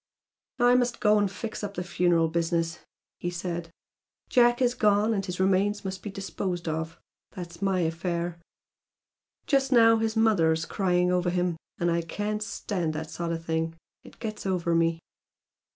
"I must go and fix up the funeral business" he said, "Jack has gone, and his remains must be disposed of. That's my affair. Just now his mother's crying over him, and I can't stand that sort of thing. It gets over me."